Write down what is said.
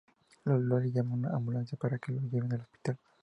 Loli llama una ambulancia para que la lleven al hospital.